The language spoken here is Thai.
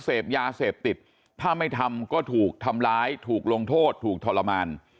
เสพยาเสพติดถ้าไม่ทำก็ถูกทำร้ายถูกลงโทษถูกทรมาน